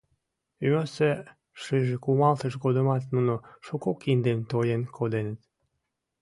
Ӱмасе шыже кумалтыш годымат нуно шуко киндым тоен коденыт.